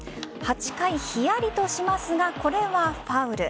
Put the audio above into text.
８回、ひやりとしますがこれはファウル。